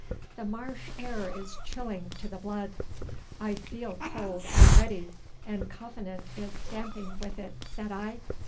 'The marsh air is chilling to the blood.' 'I feel cold already, and Covenant is stamping with it,' said I.